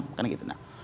bukan gitu nah